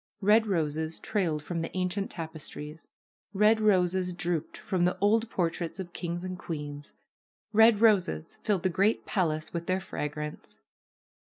Red roses trailed from the ancient tapestries ; red roses drooped from the old portraits of kings and queens; red roses filled the great palace with their fragrance.